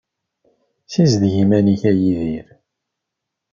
Ssizdeg iman-ik a Yidir.